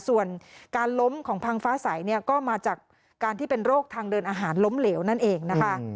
ส่วนการล้มของพังฟ้าใสเนี่ยก็มาจากการที่เป็นโรคทางเดินอาหารล้มเหลวนั่นเองนะคะ